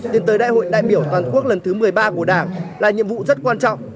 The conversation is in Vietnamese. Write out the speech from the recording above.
tiến tới đại hội đại biểu toàn quốc lần thứ một mươi ba của đảng là nhiệm vụ rất quan trọng